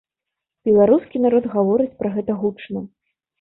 Беларускі народ гаворыць пра гэта гучна.